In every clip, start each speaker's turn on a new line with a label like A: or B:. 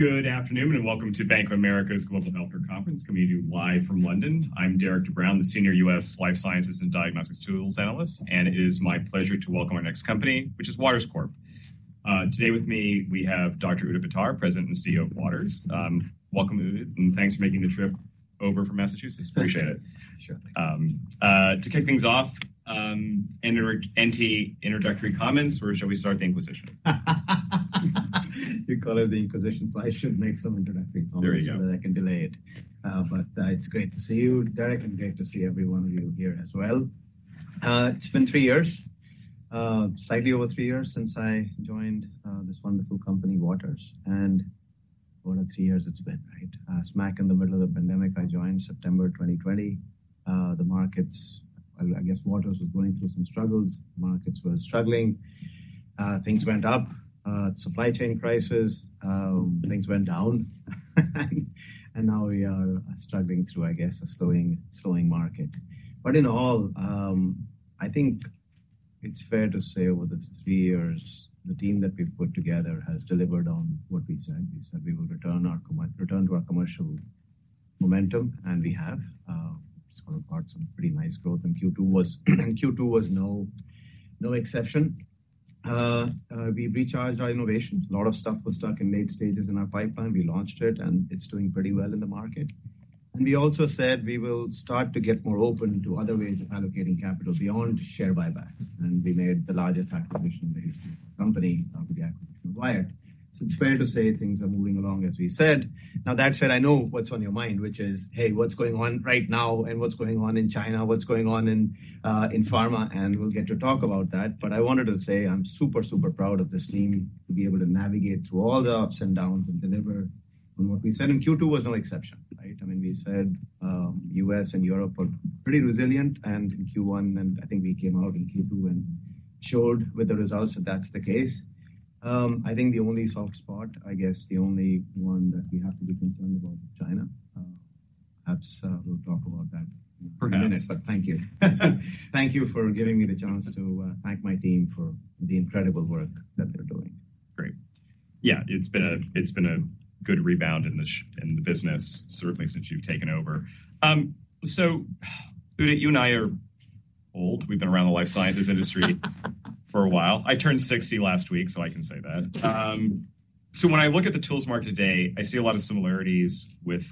A: Good afternoon and welcome to Bank of America's Global Healthcare Conference, coming to you live from London. I'm Derik de Bruin, the senior U.S. Life Sciences and Diagnostics Tools analyst, and it is my pleasure to welcome our next company, which is Waters Corp. Today with me, we have Dr. Udit Batra, President and CEO of Waters. Welcome, Udit, and thanks for making the trip over from Massachusetts. Appreciate it.
B: Sure.
A: To kick things off, any introductory comments or shall we start the inquisition?
B: You call it the inquisition, so I should make some introductory comments-
A: There you go.
B: So that I can delay it. But it's great to see you, Derik, and great to see every one of you here as well. It's been three years, slightly over three years since I joined this wonderful company, Waters, and what a three years it's been, right? Smack in the middle of the pandemic, I joined September 2020. The markets, I guess Waters was going through some struggles. The markets were struggling. Things went up, supply chain crisis, things went down, and now we are struggling through, I guess, a slowing market. But in all, I think it's fair to say over the three years, the team that we've put together has delivered on what we said. We said we will return to our commercial momentum, and we have. We've sort of got some pretty nice growth, and Q2 was no exception. We recharged our innovation. A lot of stuff was stuck in late stages in our pipeline. We launched it, and it's doing pretty well in the market. And we also said we will start to get more open to other ways of allocating capital beyond share buybacks, and we made the largest acquisition in the history of the company, the acquisition of Wyatt. So it's fair to say things are moving along as we said. Now, that said, I know what's on your mind, which is, "Hey, what's going on right now, and what's going on in China? What's going on in pharma?" And we'll get to talk about that. But I wanted to say I'm super, super proud of this team to be able to navigate through all the ups and downs and deliver on what we said, and Q2 was no exception, right? I mean, we said, U.S. and Europe were pretty resilient and in Q1, and I think we came out in Q2 and showed with the results that that's the case. I think the only soft spot, I guess, the only one that we have to be concerned about is China. Perhaps, we'll talk about that-
A: Perhaps.
B: In a minute, but thank you. Thank you for giving me the chance to thank my team for the incredible work that they're doing.
A: Great. Yeah, it's been a good rebound in the business, certainly since you've taken over. So, Udit, you and I are old. We've been around the life sciences industry for a while. I turned 60 last week, so I can say that. So when I look at the tools market today, I see a lot of similarities with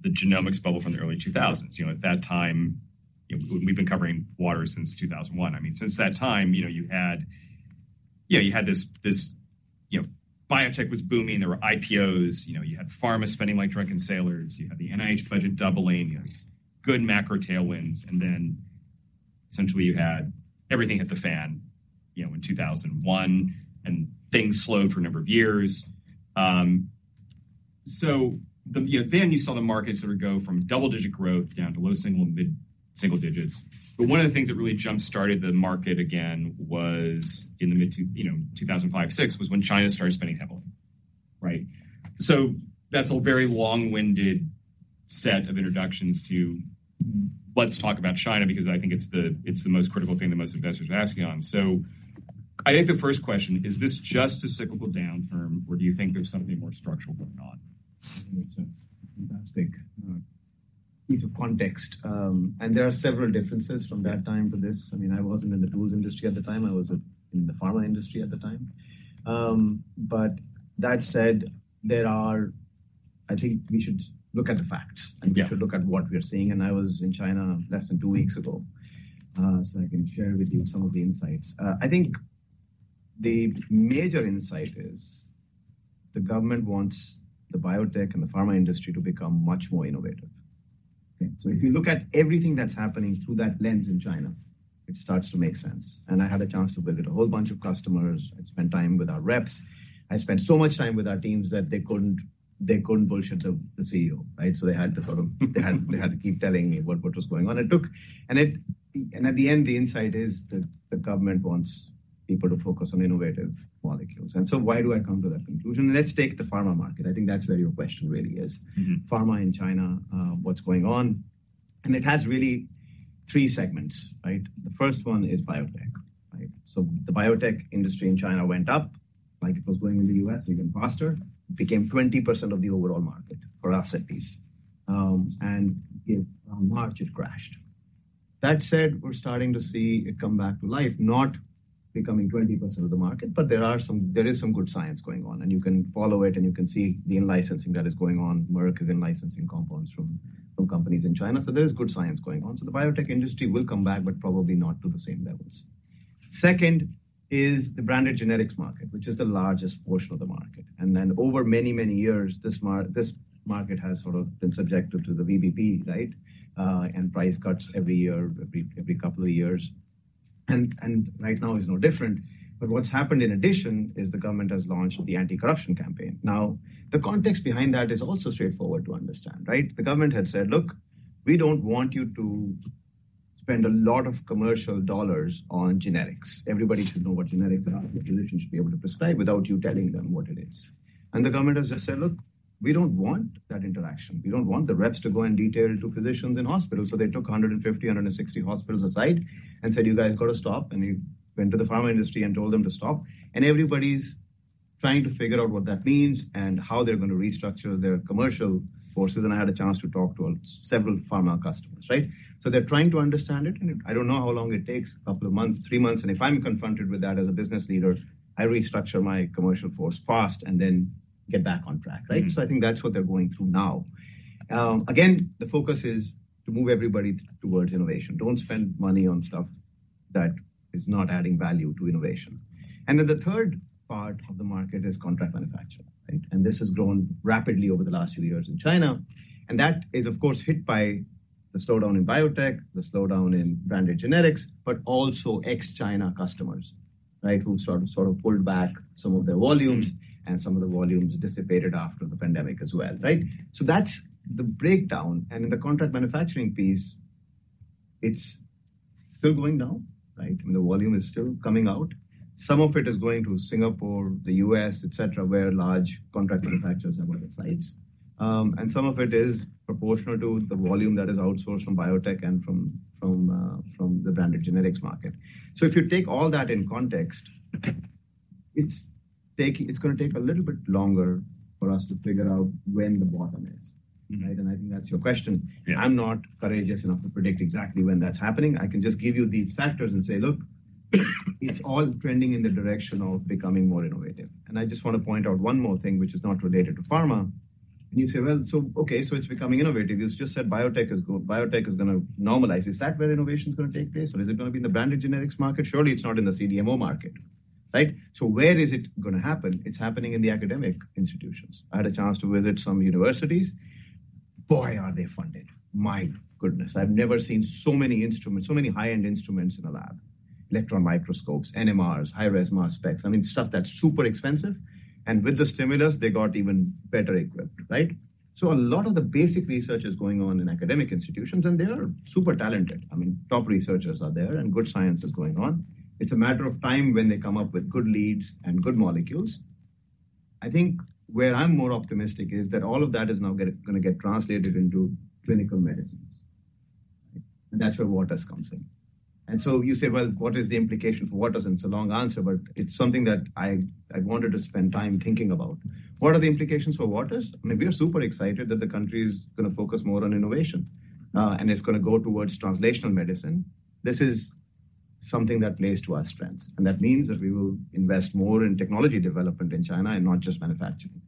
A: the genomics bubble from the early 2000s. You know, at that time, you know, we've been covering Waters since 2001. I mean, since that time, you know, you had, you know, you had this, this, you know, biotech was booming. There were IPOs, you know, you had pharma spending like drunken sailors. You had the NIH budget doubling, you know, good macro tailwinds, and then essentially you had everything hit the fan, you know, in 2001, and things slowed for a number of years. So the, you know, then you saw the markets sort of go from double-digit growth down to low single and mid-single digits. But one of the things that really jumpstarted the market again was in the mid, you know, 2005-2006, when China started spending heavily, right? So that's a very long-winded set of introductions to— Let's talk about China because I think it's the, it's the most critical thing that most investors are asking on. So I think the first question, is this just a cyclical down firm, or do you think there's something more structural going on?
B: I think it's a fantastic piece of context, and there are several differences from that time to this. I mean, I wasn't in the tools industry at the time. I was in the pharma industry at the time. But that said, there are. I think we should look at the facts-
A: Yeah.
B: And we should look at what we are seeing. And I was in China less than two weeks ago, so I can share with you some of the insights. I think the major insight is the government wants the biotech and the pharma industry to become much more innovative.
A: Okay.
B: So if you look at everything that's happening through that lens in China, it starts to make sense. And I had a chance to visit a whole bunch of customers. I'd spent time with our reps. I spent so much time with our teams that they couldn't, they couldn't bullshit the, the CEO, right? So they had to sort of, they had, they had to keep telling me what, what was going on. It took, and it, and at the end, the insight is that the government wants people to focus on innovative molecules. And so why do I come to that conclusion? Let's take the pharma market. I think that's where your question really is. Pharma in China, what's going on, and it has really three segments, right? The first one is biotech, right? So the biotech industry in China went up like it was growing in the U.S., even faster, became 20% of the overall market for us at least. And in March, it crashed. That said, we're starting to see it come back to life, not becoming 20% of the market, but there is some good science going on, and you can follow it, and you can see the in-licensing that is going on. Merck is in-licensing compounds from companies in China, so there is good science going on. So the biotech industry will come back, but probably not to the same levels. Second is the branded generics market, which is the largest portion of the market. And then over many, many years, this market has sort of been subjected to the VBP, right? And price cuts every year, every couple of years. And right now is no different. But what's happened in addition, is the government has launched the anti-corruption campaign. Now, the context behind that is also straightforward to understand, right? The government had said: Look, we don't want you to spend a lot of commercial dollars on generics. Everybody should know what generics are. Physicians should be able to prescribe without you telling them what it is. And the government has just said: Look, we don't want that interaction. We don't want the reps to go and detail to physicians in hospitals. So they took 150, 160 hospitals aside and said, "You guys got to stop." And we went to the pharma industry and told them to stop, and everybody's trying to figure out what that means and how they're going to restructure their commercial forces, and I had a chance to talk to several pharma customers, right? So they're trying to understand it, and I don't know how long it takes, a couple of months, three months, and if I'm confronted with that as a business leader, I restructure my commercial force fast and then get back on track, right? So I think that's what they're going through now. Again, the focus is to move everybody towards innovation. Don't spend money on stuff that is not adding value to innovation. And then the third part of the market is contract manufacturing, right? And this has grown rapidly over the last few years in China, and that is, of course, hit by the slowdown in biotech, the slowdown in branded generics, but also ex-China customers, right, who sort of pulled back some of their volumes, and some of the volumes dissipated after the pandemic as well, right? So that's the breakdown. And in the contract manufacturing piece, it's still going down, right? I mean, the volume is still coming out. Some of it is going to Singapore, the U.S., et cetera, where large contract manufacturers have other sites. Some of it is proportional to the volume that is outsourced from biotech and from the branded generics market. If you take all that in context, it's gonna take a little bit longer for us to figure out when the bottom is, right? I think that's your question.
A: Yeah.
B: I'm not courageous enough to predict exactly when that's happening. I can just give you these factors and say, "Look, it's all trending in the direction of becoming more innovative." And I just want to point out one more thing, which is not related to pharma. And you say, "Well, so okay, so it's becoming innovative. You just said biotech is gonna normalize. Is that where innovation is gonna take place, or is it gonna be in the branded generics market? Surely it's not in the CDMO market, right? So where is it gonna happen?" It's happening in the academic institutions. I had a chance to visit some universities. Boy, are they funded! My goodness, I've never seen so many instruments, so many high-end instruments in a lab. Electron microscopes, NMRs, high-res mass specs. I mean, stuff that's super expensive, and with the stimulus, they got even better equipped, right? So a lot of the basic research is going on in academic institutions, and they are super talented. I mean, top researchers are there, and good science is going on. It's a matter of time when they come up with good leads and good molecules. I think where I'm more optimistic is that all of that is now gonna get translated into clinical medicines, and that's where Waters comes in. And so you say, "Well, what is the implication for Waters?" And it's a long answer, but it's something that I wanted to spend time thinking about. What are the implications for Waters? I mean, we are super excited that the country is gonna focus more on innovation, and it's gonna go towards translational medicine. This is something that plays to our strengths, and that means that we will invest more in technology development in China and not just manufacturing.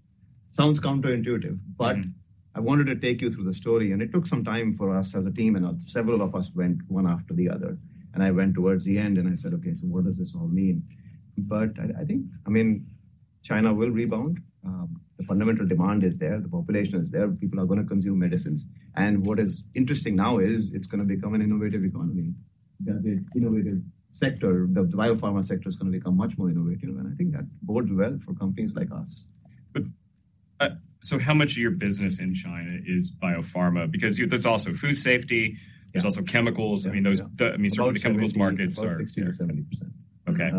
B: Sounds counterintuitive. But I wanted to take you through the story, and it took some time for us as a team, and several of us went one after the other, and I went towards the end, and I said, "Okay, so what does this all mean?" But I, I think, I mean, China will rebound. The fundamental demand is there, the population is there, people are gonna consume medicines. And what is interesting now is it's gonna become an innovative economy. The innovative sector, the biopharma sector, is gonna become much more innovative, and I think that bodes well for companies like us.
A: How much of your business in China is biopharma? Because you-- there's also food safety.
B: Yeah.
A: There's also chemicals.
B: Yeah, yeah.
A: I mean, some of the chemicals markets are-
B: About 60%-70%.
A: Okay.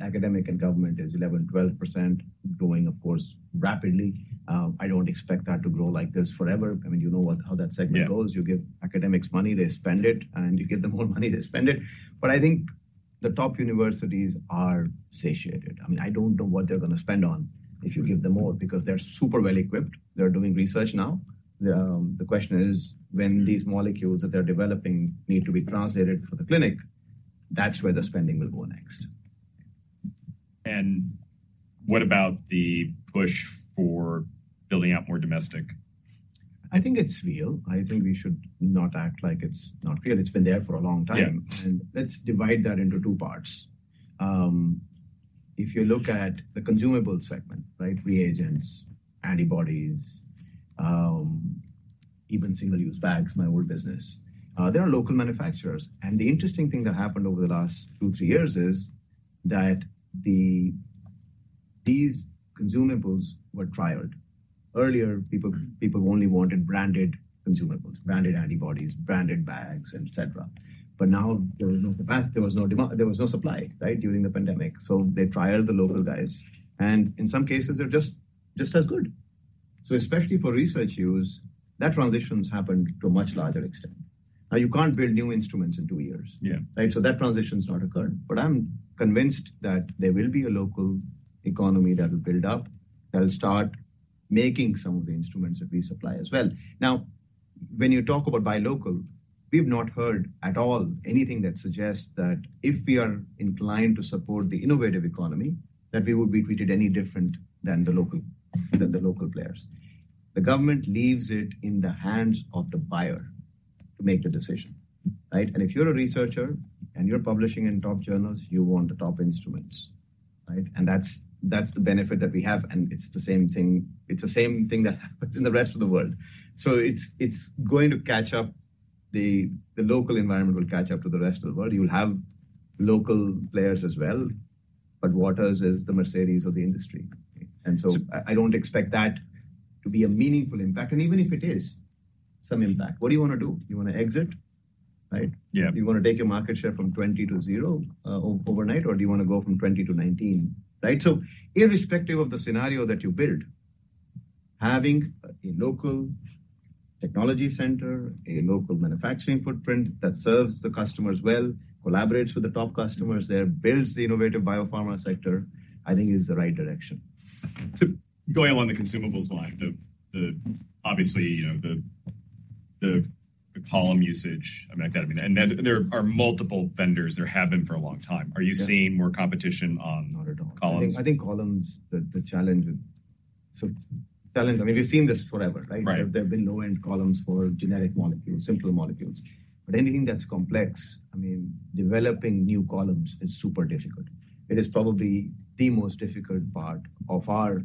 B: Academic and government is 11%-12%, growing, of course, rapidly. I don't expect that to grow like this forever. I mean, you know what, how that segment goes.
A: Yeah.
B: You give academics money, they spend it, and you give them more money, they spend it. But I think the top universities are satiated. I mean, I don't know what they're gonna spend on if you give them more, because they're super well-equipped. They're doing research now. The question is, when these molecules that they're developing need to be translated for the clinic, that's where the spending will go next.
A: What about the push for building out more domestic?
B: I think it's real. I think we should not act like it's not real. It's been there for a long time.
A: Yeah.
B: Let's divide that into two parts. If you look at the consumable segment, right? Reagents, antibodies, even single-use bags, my old business, there are local manufacturers. The interesting thing that happened over the last two-three years is that these consumables were trialed. Earlier, people only wanted branded consumables, branded antibodies, branded bags, et cetera. But now, in the past, there was no supply, right, during the pandemic, so they trialed the local guys, and in some cases, they're just as good. So especially for research use, that transition's happened to a much larger extent. Now, you can't build new instruments in two years.
A: Yeah.
B: Right? So that transition's not occurred, but I'm convinced that there will be a local economy that will build up, that will start making some of the instruments that we supply as well. Now, when you talk about buy local, we've not heard at all anything that suggests that if we are inclined to support the innovative economy, that we would be treated any different than the local, than the local players. The government leaves it in the hands of the buyer to make the decision, right? And if you're a researcher and you're publishing in top journals, you want the top instruments, right? And that's, that's the benefit that we have, and it's the same thing. It's the same thing that happens in the rest of the world. So it's, it's going to catch up. The, the local environment will catch up to the rest of the world. You'll have local players as well, but Waters is the Mercedes of the industry, and so I don't expect that to be a meaningful impact. Even if it is some impact, what do you wanna do? You wanna exit, right?
A: Yeah.
B: You wanna take your market share from 20 to 0 overnight, or do you wanna go from 20 to 19, right? So irrespective of the scenario that you build, having a local technology center, a local manufacturing footprint that serves the customers well, collaborates with the top customers there, builds the innovative biopharma sector, I think is the right direction.
A: So going along the consumables line, obviously, you know, the column usage, I mean, and then there are multiple vendors. There have been for a long time.
B: Yeah.
A: Are you seeing more competition on-
B: Not at all.
A: Columns?
B: I think columns, the challenge, I mean, we've seen this forever, right?
A: Right.
B: There have been low-end columns for generic molecules, simpler molecules. But anything that's complex, I mean, developing new columns is super difficult. It is probably the most difficult part of our,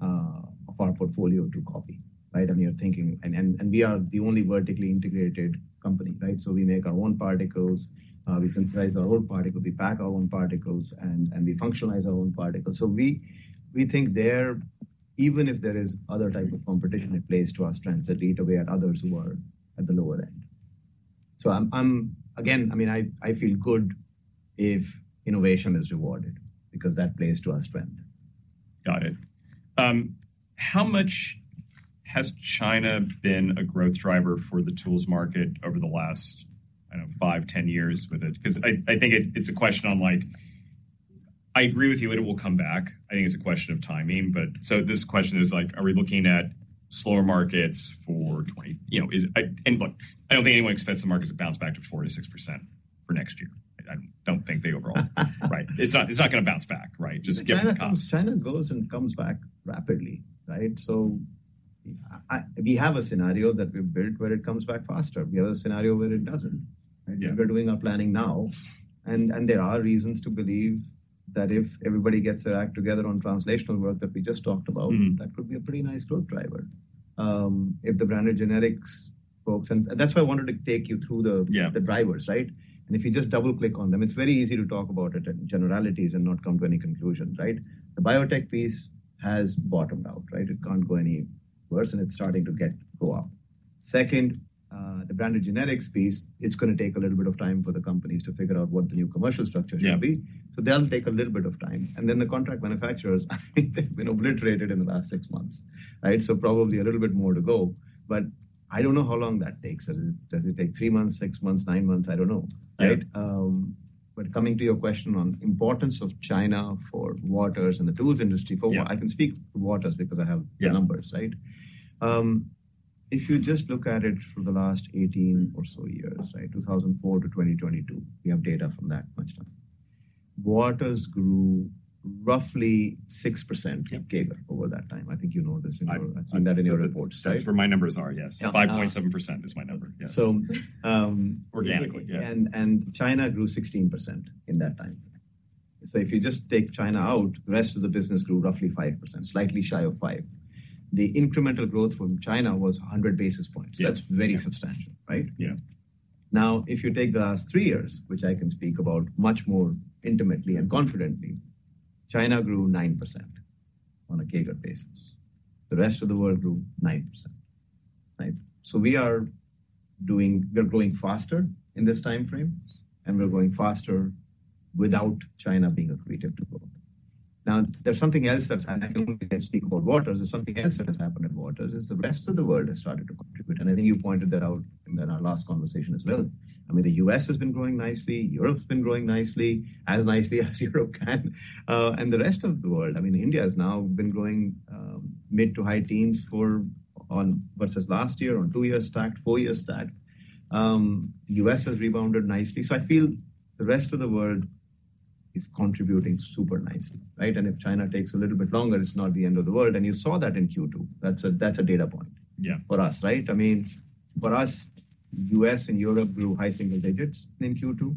B: of our portfolio to copy, right? I mean, you're thinking and, and, and we are the only vertically integrated company, right? So we make our own particles, we synthesize our own particle, we pack our own particles, and, and we functionalize our own particles. So we, we think there, even if there is other type of competition, it plays to our strength. So data we have others who are at the lower end. So I'm, again, I mean, I feel good if innovation is rewarded because that plays to our strength.
A: Got it. How much has China been a growth driver for the tools market over the last, I don't know, five, 10 years with it? Because I think it, it's a question on like... I agree with you, it will come back. I think it's a question of timing, but so this question is like, are we looking at slower markets for 20, you know, is it-- and look, I don't think anyone expects the markets to bounce back to 4%-6% for next year. I don't think they overall. Right. It's not, it's not gonna bounce back, right? Just given the cost.
B: China goes and comes back rapidly, right? So we have a scenario that we've built where it comes back faster. We have a scenario where it doesn't.
A: Yeah.
B: We're doing our planning now, and there are reasons to believe that if everybody gets their act together on translational work that we just talked about-
A: Mm-hmm.
B: -that could be a pretty nice growth driver. If the branded generics folks, and that's why I wanted to take you through the-
A: Yeah.
B: The drivers, right? And if you just double-click on them, it's very easy to talk about it in generalities and not come to any conclusions, right? The biotech piece has bottomed out, right? It can't go any worse, and it's starting to get go up. Second, he branded generics piece, it's gonna take a little bit of time for the companies to figure out what the new commercial structure should be.
A: Yeah.
B: So that'll take a little bit of time. And then the contract manufacturers, I think they've been obliterated in the last six months, right? So probably a little bit more to go, but I don't know how long that takes. Does it, does it take three months, six months, nine months? I don't know.
A: Yeah.
B: Right, but coming to your question on importance of China for Waters and the tools industry.
A: Yeah.
B: I can speak Waters because I have the numbers, right?
A: Yeah.
B: If you just look at it for the last 18 or so years, right, 2004-2022, we have data from that much time. Waters grew roughly 6%-
A: Yeah
B: CAGR over that time. I think you know this, I've seen that in your reports, right?
A: That's where my numbers are, yes.
B: Yeah.
A: 5.7% is my number. Yes.
B: So, um-
A: Organically, yeah.
B: And China grew 16% in that time. So if you just take China out, the rest of the business grew roughly 5%, slightly shy of 5%. The incremental growth from China was 100 basis points.
A: Yeah.
B: That's very substantial, right?
A: Yeah.
B: Now, if you take the last three years, which I can speak about much more intimately and confidently, China grew 9% on a CAGR basis. The rest of the world grew 9%, right? So we are growing faster in this time frame, and we're growing faster without China being accretive to growth. Now, there's something else that's happened. I can only speak about Waters. There's something else that has happened in Waters, is the rest of the world has started to contribute, and I think you pointed that out in our last conversation as well. I mean, the U.S. has been growing nicely, Europe's been growing nicely, as nicely as Europe can. And the rest of the world, I mean, India has now been growing mid- to high teens for on versus last year on two-year stacked, four-year stacked. U.S. has rebounded nicely, so I feel the rest of the world is contributing super nicely, right? And if China takes a little bit longer, it's not the end of the world, and you saw that in Q2. That's a data point-
A: Yeah...
B: for us, right? I mean, for us, U.S. and Europe grew high single digits in Q2,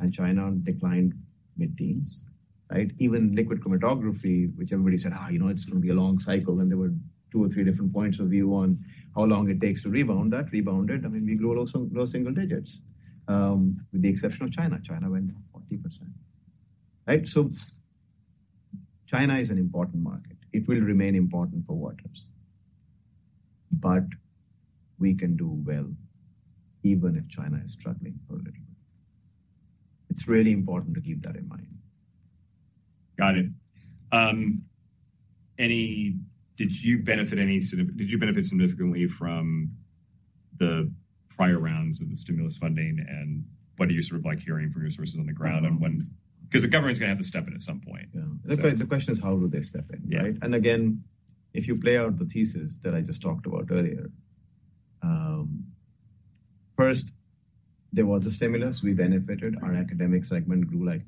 B: and China declined mid-teens, right? Even liquid chromatography, which everybody said, "Ah, you know, it's gonna be a long cycle." There were two or three different points of view on how long it takes to rebound, that rebounded. I mean, we grew also low single digits, with the exception of China. China went 40%, right? So China is an important market. It will remain important for Waters, but we can do well even if China is struggling for a little bit. It's really important to keep that in mind.
A: Got it. Did you benefit significantly from the prior rounds of the stimulus funding, and what are you sort of like hearing from your sources on the ground on when? Because the government's gonna have to step in at some point.
B: Yeah. The question is, how will they step in?
A: Yeah.
B: Right? And again, if you play out the thesis that I just talked about earlier, first, there was the stimulus, we benefited. Our academic segment grew like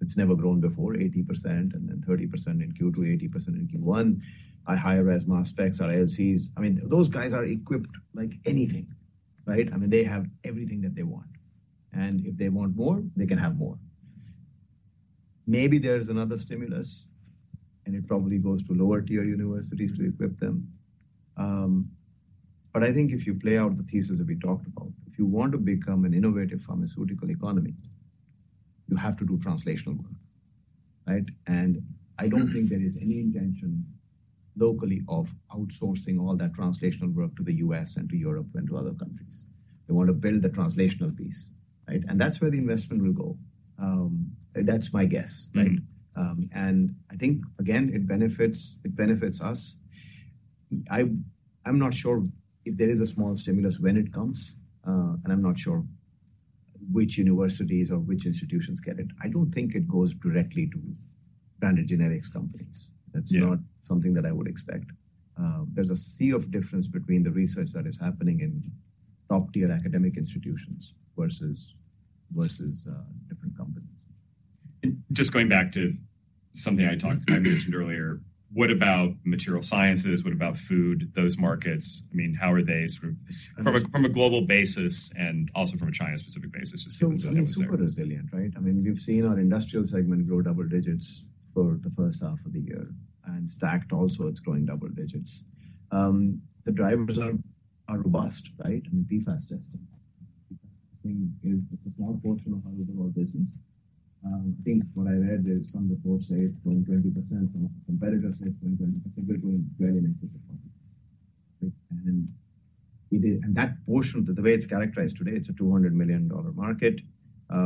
B: it's never grown before, 80% and then 30% in Q2, 80% in Q1. Our high-res mass specs, our LCs, I mean, those guys are equipped like anything, right? I mean, they have everything that they want, and if they want more, they can have more. Maybe there's another stimulus, and it probably goes to lower-tier universities to equip them. But I think if you play out the thesis that we talked about, if you want to become an innovative pharmaceutical economy, you have to do translational work, right? And I don't think there is any intention locally of outsourcing all that translational work to the U.S., and to Europe, and to other countries. They want to build the translational piece... Right? And that's where the investment will go. That's my guess, right? I think, again, it benefits. It benefits us. I'm not sure if there is a small stimulus when it comes, and I'm not sure which universities or which institutions get it. I don't think it goes directly to branded generics companies.
A: Yeah.
B: That's not something that I would expect. There's a sea of difference between the research that is happening in top-tier academic institutions versus different companies.
A: Just going back to something I talked--I mentioned earlier, what about material sciences? What about food, those markets? I mean, how are they sort of from a, from a global basis and also from a China-specific basis, just so-
B: So it's super resilient, right? I mean, we've seen our industrial segment grow double digits for the first half of the year, and stacked also, it's growing double digits. The drivers are robust, right? I mean, PFAS testing. PFAS testing is, it's a small portion of our overall business. I think what I read is some reports say it's growing 20%, some competitors say it's growing 20. I think we're growing well in excess of 20. Right, and it is-- And that portion, the way it's characterized today, it's a $200 million market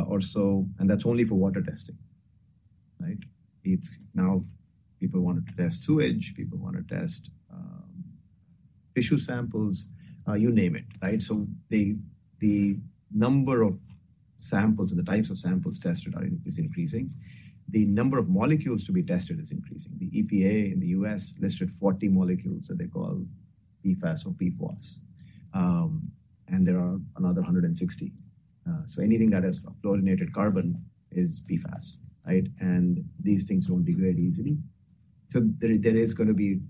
B: or so, and that's only for water testing, right? It's now people want to test sewage, people want to test tissue samples, you name it, right? So the number of samples and the types of samples tested are increasing. The number of molecules to be tested is increasing. The EPA in the U.S. listed 40 molecules that they call PFAS or PFOS, and there are another 160. So anything that has fluorinated carbon is PFAS, right? And these things don't degrade easily. So there is gonna be.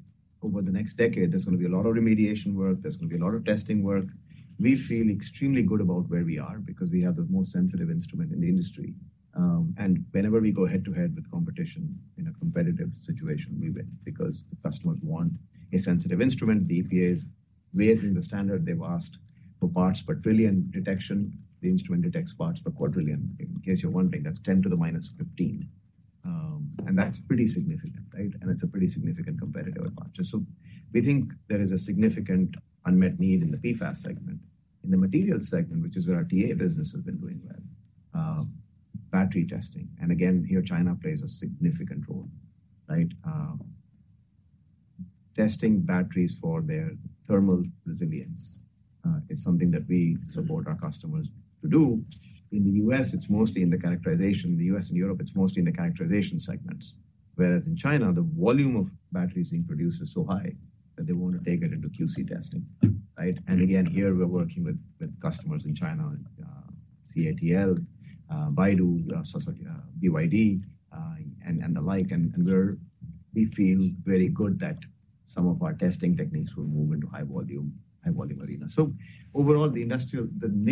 B: Over the next decade, there's gonna be a lot of remediation work. There's gonna be a lot of testing work. We feel extremely good about where we are because we have the most sensitive instrument in the industry. And whenever we go head-to-head with competition in a competitive situation, we win because the customers want a sensitive instrument. The EPA is raising the standard. They've asked for parts per trillion detection. The instrument detects parts per quadrillion. In case you're wondering, that's 10 to the minus 15. And that's pretty significant, right? It's a pretty significant competitive advantage. So we think there is a significant unmet need in the PFAS segment. In the materials segment, which is where our TA business has been doing well, battery testing, and again, here, China plays a significant role, right? Testing batteries for their thermal resilience is something that we support our customers to do. In the US, it's mostly in the characterization. In the US and Europe, it's mostly in the characterization segments, whereas in China, the volume of batteries being produced is so high that they want to take it into QC testing, right? And again, here, we're working with customers in China, CATL, Baidu, so, BYD, and the like. And we're we feel very good that some of our testing techniques will move into high volume, high volume arena. So overall, the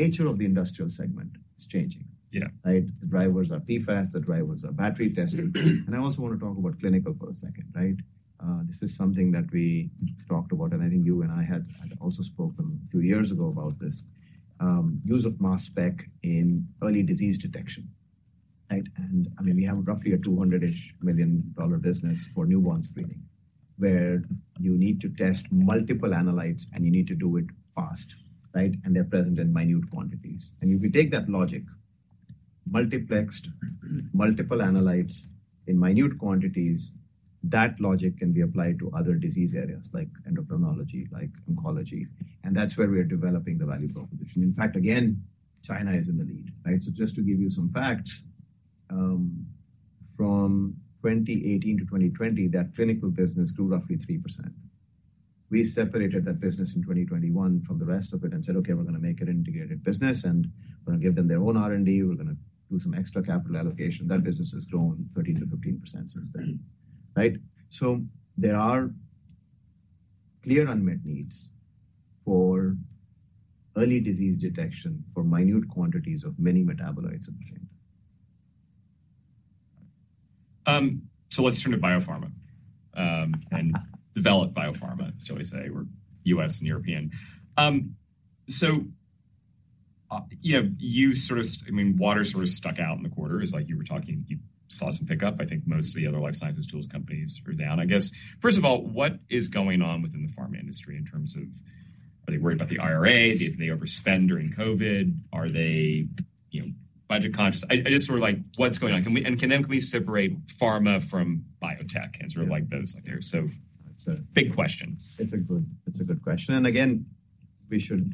B: nature of the industrial segment is changing.
A: Yeah.
B: Right? The drivers are PFAS, the drivers are battery testing. And I also want to talk about clinical for a second, right? This is something that we talked about, and I think you and I had also spoken two years ago about this, use of mass spec in early disease detection, right? And, I mean, we have roughly a $200 million business for newborn screening, where you need to test multiple analytes, and you need to do it fast, right? And they're present in minute quantities. And if you take that logic, multiplexed, multiple analytes in minute quantities, that logic can be applied to other disease areas like endocrinology, like oncology, and that's where we are developing the value proposition. In fact, again, China is in the lead, right? So just to give you some facts, from 2018 to 2020, that clinical business grew roughly 3%. We separated that business in 2021 from the rest of it and said: Okay, we're gonna make it an integrated business, and we're gonna give them their own R&D. We're gonna do some extra capital allocation. That business has grown 13%-15% since then, right? So there are clear unmet needs for early disease detection, for minute quantities of many metabolites at the same time.
A: So let's turn to biopharma, and developed biopharma, shall we say, or U.S. and European. So, you know, you sort of... I mean, Waters sort of stuck out in the quarter is like you were talking, you saw some pickup. I think most of the other life sciences tools companies were down. I guess, first of all, what is going on within the pharma industry in terms of, are they worried about the IRA? Did they overspend during COVID? Are they, you know, budget conscious? I just sort of like, what's going on? Can we and then can we separate pharma from biotech and sort of like those? So it's a big question.
B: It's a good question, and again, we should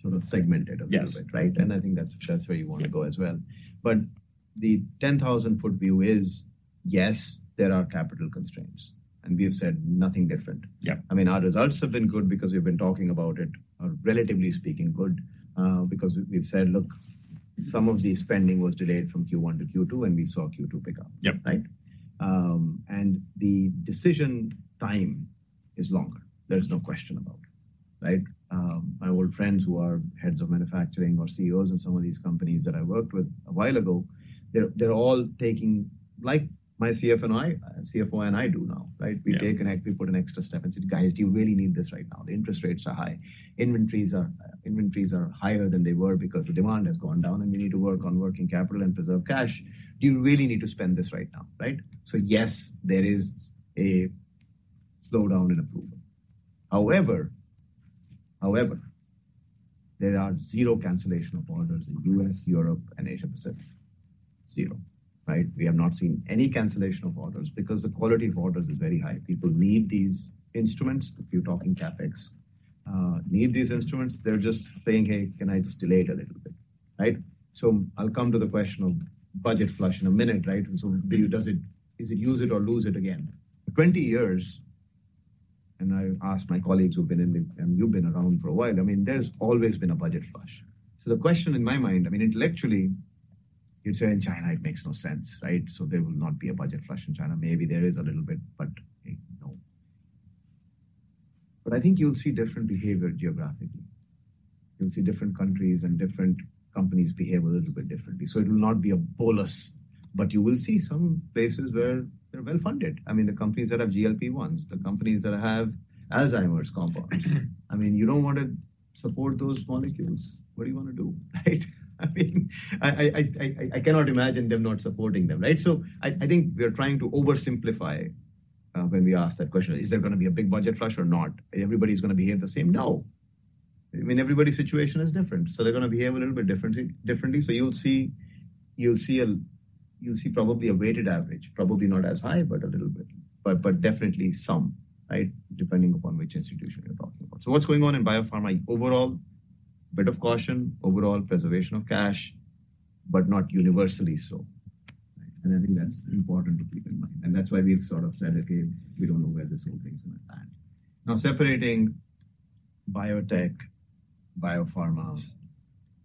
B: sort of segment it a little bit-
A: Yes.
B: Right? And I think that's, that's where you want to go as well. But the 10,000-foot view is, yes, there are capital constraints, and we have said nothing different.
A: Yeah.
B: I mean, our results have been good because we've been talking about it, or relatively speaking, good, because we've said: Look, some of the spending was delayed from Q1 to Q2, and we saw Q2 pick up.
A: Yep.
B: Right? The decision time is longer. There's no question about it, right? My old friends who are heads of manufacturing or CEOs in some of these companies that I worked with a while ago, they're all taking, like my CF and I-- CFO and I do now, right?
A: Yeah.
B: We put an extra step and say: "Guys, do you really need this right now? The interest rates are high. Inventories are higher than they were because the demand has gone down, and we need to work on working capital and preserve cash. Do you really need to spend this right now?" Right? So yes, there is a slowdown in approval. However, however, there are zero cancellations of orders in U.S., Europe, and Asia Pacific. Zero, right? We have not seen any cancellation of orders because the quality of orders is very high. People need these instruments, if you're talking CapEx, need these instruments, they're just saying, "Hey, can I just delay it a little bit?" Right? So I'll come to the question of budget flush in a minute, right? Does it, is it use it or lose it again? For 20 years, and I ask my colleagues who've been in the... And you've been around for a while, I mean, there's always been a budget flush. So the question in my mind, I mean, intellectually, you'd say in China, it makes no sense, right? So there will not be a budget flush in China. Maybe there is a little bit, but, hey, no. But I think you'll see different behavior geographically. You'll see different countries and different companies behave a little bit differently. So it will not be a bolus, but you will see some places where they're well-funded. I mean, the companies that have GLP-1s, the companies that have Alzheimer's compound. I mean, you don't want to support those molecules? What do you want to do, right? I mean, I cannot imagine them not supporting them, right? So I think we are trying to oversimplify when we ask that question, is there gonna be a big budget flush or not? Everybody's gonna behave the same way. No. I mean, everybody's situation is different, so they're gonna behave a little bit differently, differently. So you'll see, you'll see a—you'll see probably a weighted average, probably not as high, but a little bit. But, but definitely some, right? Depending upon which institution you're talking about. So what's going on in biopharma? Overall, bit of caution, overall preservation of cash, but not universally so. And I think that's important to keep in mind, and that's why we've sort of said, okay, we don't know where this whole thing is gonna land. Now, separating biotech, biopharma,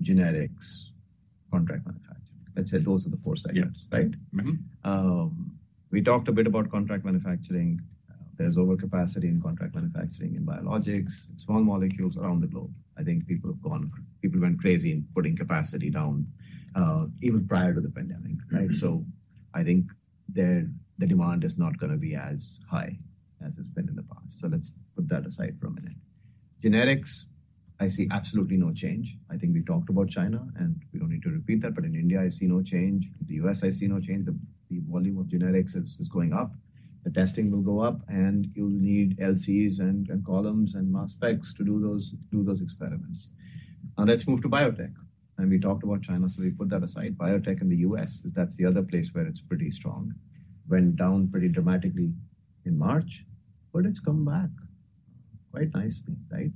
B: generics, contract manufacturing. Let's say those are the four segments, right? We talked a bit about contract manufacturing. There's overcapacity in contract manufacturing, in biologics, in small molecules around the globe. I think people went crazy in putting capacity down, even prior to the pandemic, right?
A: Mm-hmm.
B: So I think there, the demand is not gonna be as high as it's been in the past. So let's put that aside for a minute. Generics, I see absolutely no change. I think we've talked about China, and we don't need to repeat that, but in India, I see no change. In the U.S., I see no change. The volume of generics is going up. The testing will go up, and you'll need LCs and columns and mass specs to do those experiments. Now let's move to biotech. And we talked about China, so we put that aside. Biotech in the U.S., because that's the other place where it's pretty strong, went down pretty dramatically in March, but it's come back quite nicely, right?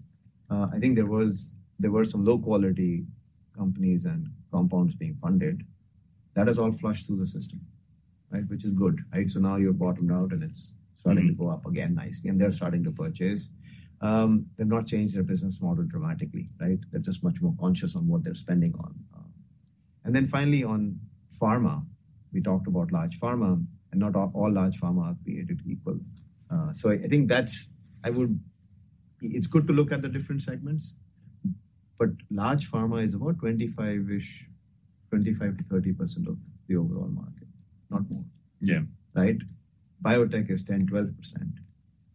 B: I think there were some low-quality companies and compounds being funded. That is all flushed through the system, right? Which is good, right? Now you're bottomed out, and it's-
A: Mm-hmm...
B: starting to go up again nicely, and they're starting to purchase. They've not changed their business model dramatically, right? They're just much more conscious on what they're spending on. And then finally, on pharma, we talked about large pharma, and not all large pharma are created equal. So I think it's good to look at the different segments, but large pharma is about 25-ish, 25%-30% of the overall market, not more.
A: Yeah.
B: Right? Biotech is 10, 12%.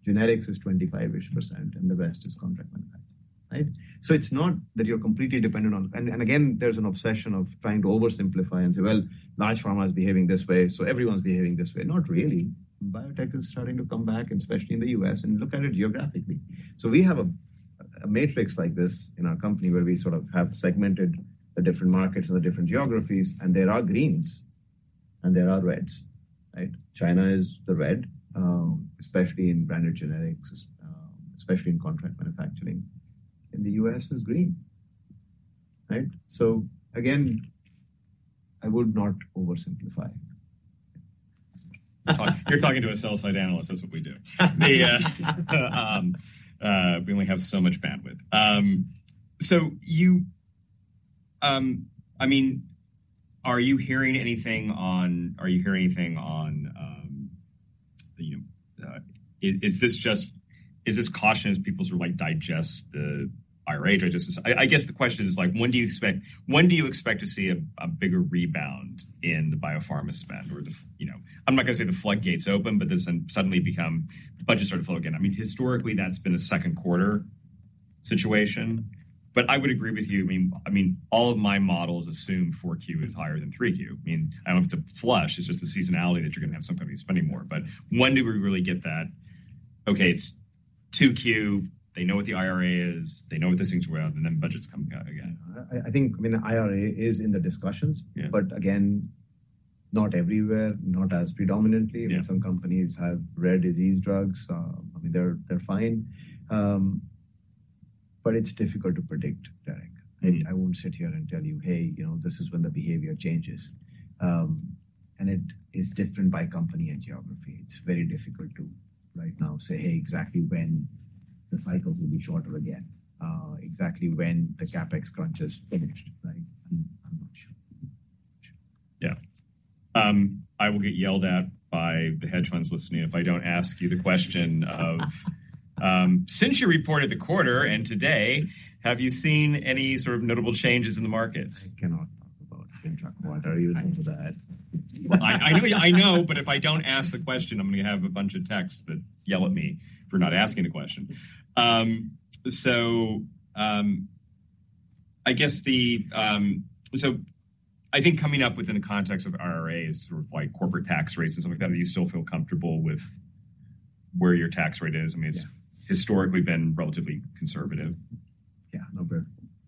B: Generics is 25-ish%, and the rest is contract manufacturing, right? So it's not that you're completely dependent on... And again, there's an obsession of trying to oversimplify and say, "Well, large pharma is behaving this way, so everyone's behaving this way." Not really. Biotech is starting to come back, especially in the U.S., and look at it geographically. So we have a matrix like this in our company where we sort of have segmented the different markets and the different geographies, and there are greens and there are reds, right? China is the red, especially in branded generics, especially in contract manufacturing, and the U.S. is green, right? So again, I would not oversimplify.
A: You're talking, you're talking to a sell-side analyst. That's what we do. We only have so much bandwidth. So you, I mean, are you hearing anything on, are you hearing anything on the. Is this just, Is this caution as people sort of like digest the IRA digest? I guess the question is like: When do you expect to see a bigger rebound in the biopharma spend or the f, you know, I'm not gonna say the floodgates open, but then suddenly become, the budget started to flow again. I mean, historically, that's been a second quarter situation, but I would agree with you. I mean, all of my models assume 4Q is higher than 3Q. I mean, I don't know if it's a flush, it's just the seasonality that you're gonna have some companies spending more. But when do we really get that? Okay, it's 2Q, they know what the IRA is, they know what this thing's worth, and then budget's coming out again.
B: I think, I mean, IRA is in the discussions.
A: Yeah.
B: But again, not everywhere, not as predominantly.
A: Yeah.
B: Some companies have rare disease drugs. I mean, they're, they're fine. It's difficult to predict, Derik.
A: Right.
B: I won't sit here and tell you, "Hey, you know, this is when the behavior changes." And it is different by company and geography. It's very difficult right now to say, hey, exactly when the cycles will be shorter again, exactly when the CapEx crunch is finished, right? I'm not sure.
A: Yeah. I will get yelled at by the hedge funds listening if I don't ask you the question. Since you reported the quarter and today, have you seen any sort of notable changes in the markets?
B: I cannot talk about the quarter. Are you into that?
A: I know, I know, but if I don't ask the question, I'm gonna have a bunch of texts that yell at me for not asking the question. So, I guess the, so I think coming up within the context of RRAs, sort of like corporate tax rates and something like that, do you still feel comfortable with where your tax rate is? I mean, it's-
B: Yeah.
A: historically been relatively conservative.
B: Yeah, no, very.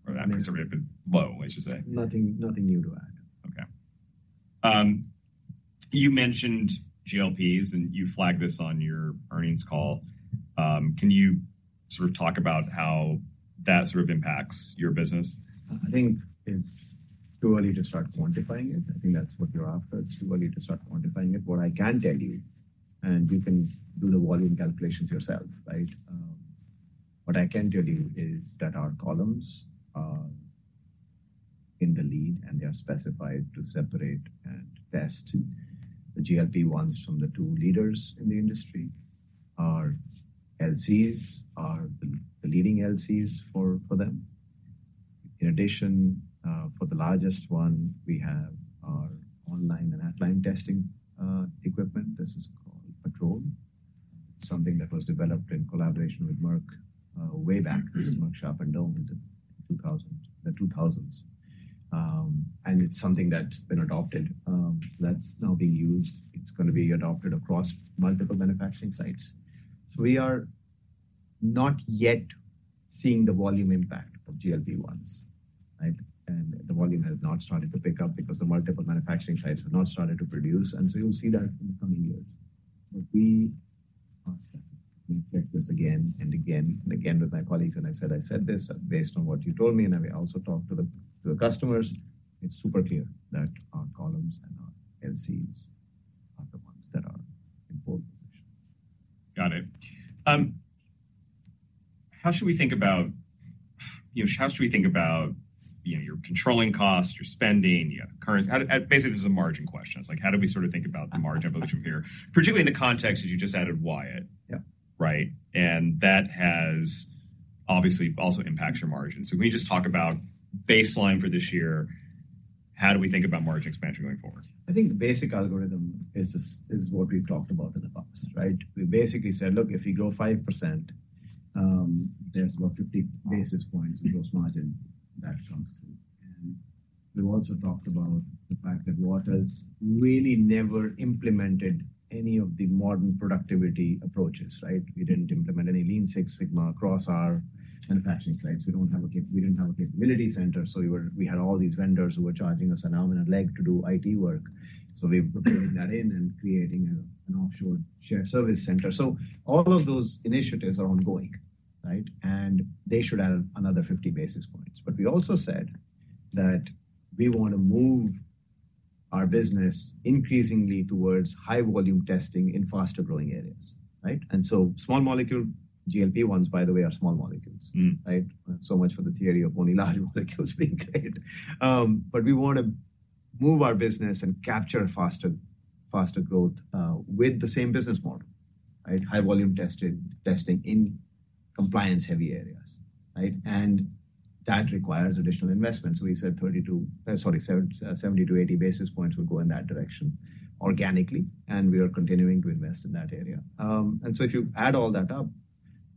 A: Or not conservative, but low, I should say.
B: Nothing, nothing new to add.
A: Okay. You mentioned GLPs, and you flagged this on your earnings call. Can you sort of talk about how that sort of impacts your business?
B: I think it's too early to start quantifying it. I think that's what you're after. It's too early to start quantifying it. What I can tell you, and you can do the volume calculations yourself, right? What I can tell you is that our columns are in the lead, and they are specified to separate and test the GLP-1s from the two leaders in the industry. Our LCs are the leading LCs for them. In addition, for the largest one, we have our online and at-line testing equipment. This is called a Patrol, something that was developed in collaboration with Merck way back. This is Merck Sharp and Dohme in 2000, the 2000s. And it's something that's been adopted, that's now being used. It's gonna be adopted across multiple manufacturing sites. So we are not yet seeing the volume impact of GLP-1s, right? And the volume has not started to pick up because the multiple manufacturing sites have not started to produce, and so you'll see that in the coming years. But we checked this again and again and again with my colleagues, and I said, "I said this based on what you told me, and I may also talk to the customers." It's super clear that our columns and our LCs are the ones that are in pole position.
A: Got it. How should we think about, you know, you're controlling costs, you're spending, you have current-- Basically, this is a margin question. It's like, how do we sort of think about the margin evolution from here, particularly in the context that you just added Wyatt?
B: Yeah.
A: Right. And that has obviously also impacts your margin. So can we just talk about baseline for this year? How do we think about margin expansion going forward?
B: I think the basic algorithm is this, is what we've talked about in the past, right? We basically said, look, if you grow 5%, there's about 50 basis points in gross margin that comes through. And we've also talked about the fact that Waters really never implemented any of the modern productivity approaches, right? We didn't implement any Lean Six Sigma across our manufacturing sites. We don't have a capability center, so we were, we had all these vendors who were charging us an arm and a leg to do IT work. So we're bringing that in and creating an offshore shared service center. So all of those initiatives are ongoing, right? And they should add another 50 basis points. But we also said that we want to move our business increasingly towards high-volume testing in faster-growing areas, right? Small molecule GLP-1s, by the way, are small molecules.
A: Mm.
B: Right? So much for the theory of only large molecules being great. But we want to move our business and capture faster, faster growth, with the same business model, right? High volume tested, testing in compliance-heavy areas, right? And that requires additional investment. So we said 32, sorry, 70-80 basis points will go in that direction organically, and we are continuing to invest in that area. And so if you add all that up,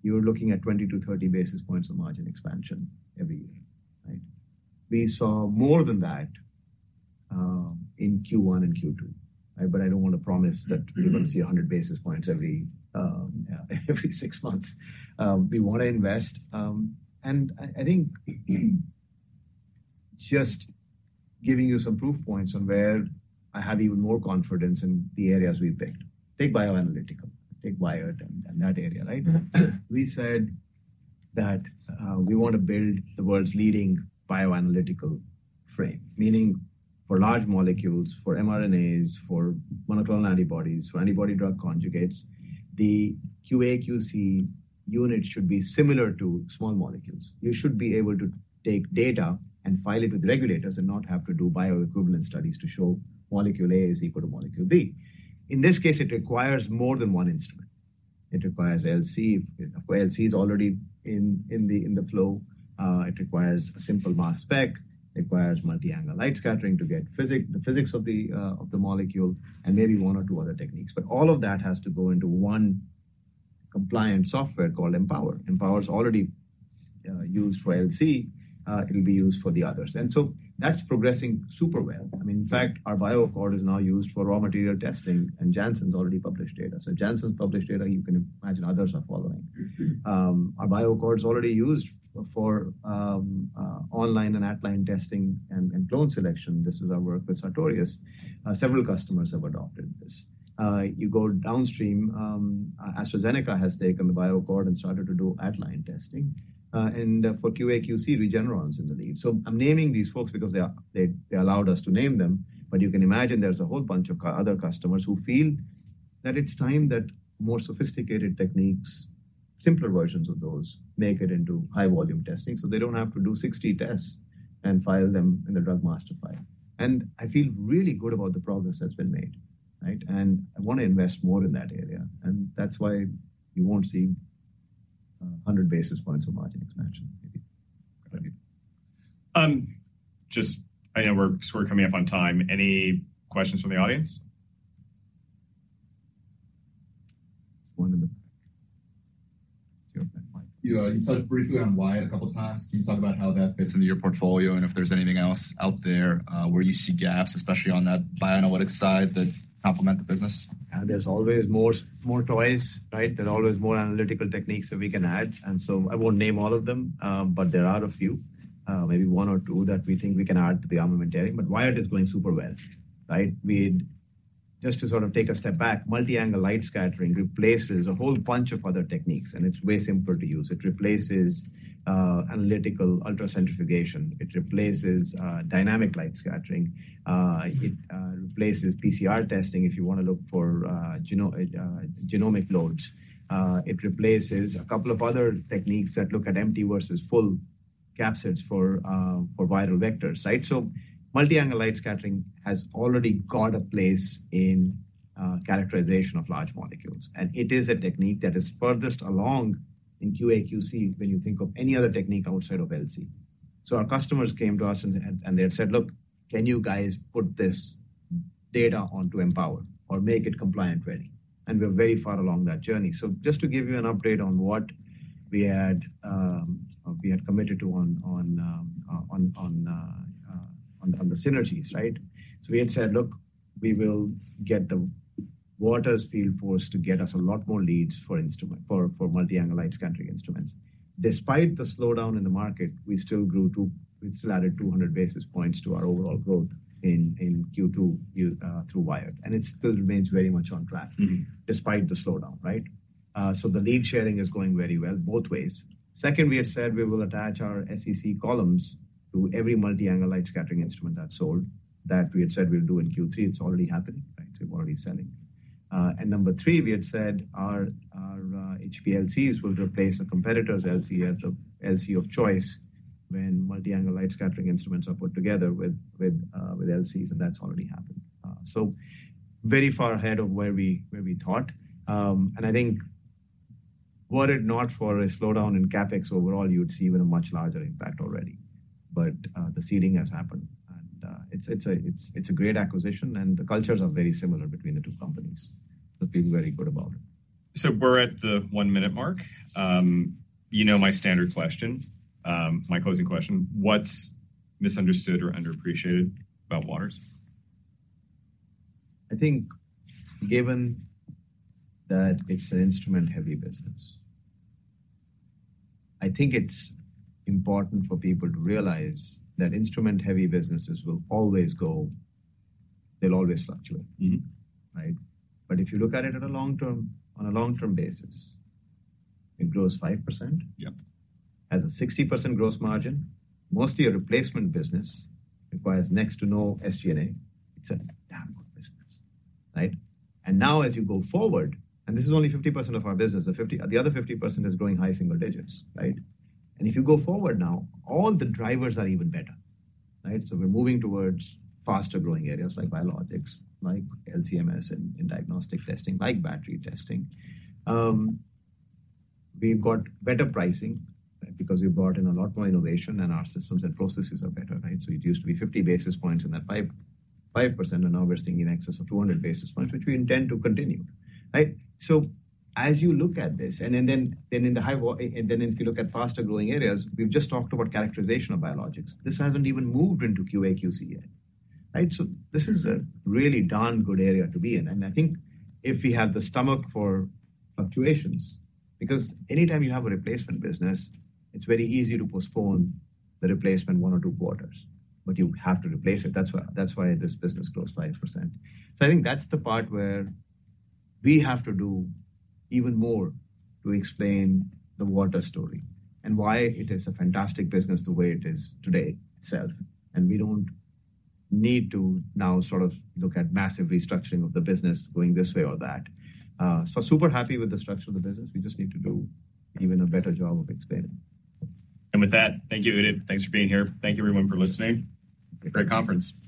B: you're looking at 20-30 basis points of margin expansion every year, right? We saw more than that, in Q1 and Q2. Right, but I don't want to promise that we're going to see 100 basis points every, yeah, every six months. We want to invest, and I think just giving you some proof points on where I have even more confidence in the areas we've picked. Take bioanalytical, take Wyatt and that area, right? We said that we want to build the world's leading bioanalytical frame, meaning for large molecules, for mRNAs, for monoclonal antibodies, for antibody drug conjugates. The QA/QC units should be similar to small molecules. You should be able to take data and file it with regulators and not have to do bioequivalent studies to show molecule A is equal to molecule B. In this case, it requires more than one instrument. It requires LC. Well, LC is already in the flow. It requires a simple mass spec, it requires multi-angle light scattering to get the physics of the molecule, and maybe one or two other techniques. But all of that has to go into one compliant software called Empower. Empower is already used for LC, it'll be used for the others. So that's progressing super well. I mean, in fact, our BioAccord is now used for raw material testing, and Janssen's already published data. So if Janssen's published data, you can imagine others are following. Our BioAccord's already used for online and at-line testing and clone selection. This is our work with Sartorius. Several customers have adopted this. You go downstream, AstraZeneca has taken the BioAccord and started to do at-line testing. And for QA/QC, Regeneron is in the lead. So I'm naming these folks because they allowed us to name them, but you can imagine there's a whole bunch of other customers who feel that it's time that more sophisticated techniques, simpler versions of those, make it into high-volume testing, so they don't have to do 60 tests and file them in the drug master file. And I feel really good about the progress that's been made, right? And I want to invest more in that area, and that's why you won't see a 100 basis points of margin expansion, maybe.
A: Just, I know we're coming up on time. Any questions from the audience?... You, you touched briefly on Wyatt a couple of times. Can you talk about how that fits into your portfolio and if there's anything else out there, where you see gaps, especially on that bioanalytics side, that complement the business?
B: There's always more, more toys, right? There's always more analytical techniques that we can add, and so I won't name all of them, but there are a few, maybe one or two that we think we can add to the armamentarium, but Wyatt is going super well, right? We just to sort of take a step back, multi-angle light scattering replaces a whole bunch of other techniques, and it's way simpler to use. It replaces analytical ultracentrifugation. It replaces dynamic light scattering. It replaces PCR testing if you want to look for genomic loads. It replaces a couple of other techniques that look at empty versus full capsids for viral vectors, right? So Multi-Angle Light Scattering has already got a place in characterization of large molecules, and it is a technique that is furthest along in QA/QC when you think of any other technique outside of LC. So our customers came to us, and they had said, "Look, can you guys put this data onto Empower or make it compliant ready?" And we're very far along that journey. So just to give you an update on what we had committed to on the synergies, right? So we had said, "Look, we will get the Waters field force to get us a lot more leads for instrument, for Multi-Angle Light Scattering instruments." Despite the slowdown in the market, we still grew to... We still added 200 basis points to our overall growth in Q2 through Wyatt, and it still remains very much on track. Despite the slowdown, right? So the lead sharing is going very well both ways. Second, we had said we will attach our SEC columns to every multi-angle light scattering instrument that's sold. That we had said we'll do in Q3. It's already happening, right? So we're already selling. And number three, we had said our HPLCs will replace the competitor's LC as the LC of choice when multi-angle light scattering instruments are put together with LCs, and that's already happened. So very far ahead of where we thought. And I think were it not for a slowdown in CapEx overall, you'd see even a much larger impact already. But the seeding has happened, and it's a great acquisition, and the cultures are very similar between the two companies. So feeling very good about it. So we're at the one-minute mark. You know my standard question, my closing question. What's misunderstood or underappreciated about Waters? I think given that it's an instrument-heavy business, I think it's important for people to realize that instrument-heavy businesses will always go, they'll always fluctuate. Right? But if you look at it in the long term, on a long-term basis, it grows 5%. Yep. Has a 60% gross margin, mostly a replacement business, requires next to no SG&A. It's a damn good business, right? And now as you go forward, and this is only 50% of our business, the other 50% is growing high single digits, right? And if you go forward now, all the drivers are even better, right? So we're moving towards faster-growing areas like biologics, like LC-MS and diagnostic testing, like battery testing. We've got better pricing because we brought in a lot more innovation, and our systems and processes are better, right? So it used to be 50 basis points in that 5.5%, and now we're seeing in excess of 200 basis points, which we intend to continue, right? So as you look at this and then and then if you look at faster-growing areas, we've just talked about characterization of biologics. This hasn't even moved into QA/QC yet, right? So this is a really darn good area to be in. And I think if we have the stomach for fluctuations, because anytime you have a replacement business, it's very easy to postpone the replacement one or two quarters, but you have to replace it. That's why, that's why this business grows 5%. So I think that's the part where we have to do even more to explain the Waters story and why it is a fantastic business the way it is today itself. And we don't need to now sort of look at massive restructuring of the business going this way or that. Super happy with the structure of the business. We just need to do even a better job of explaining.
A: With that, thank you, Udit. Thanks for being here. Thank you, everyone, for listening. Great conference.